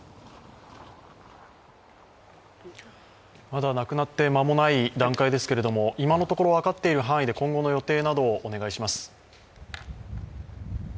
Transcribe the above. まだ亡くなって間もない段階ですけれども今のところ分かっている範囲で、今後の予定などをお願いします。